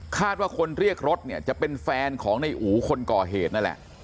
ว่าคนเรียกรถเนี่ยจะเป็นแฟนของในอู๋คนก่อเหตุนั่นแหละ